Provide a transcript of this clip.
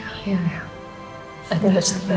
aku bersyukur ya